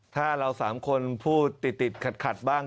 ถ้าเราสามคนพูดติดติดขัดขัดบ้าง